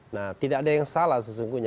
nah tidak ada yang salah sesungguhnya